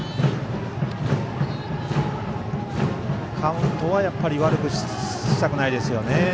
カウントは悪くしたくないですよね。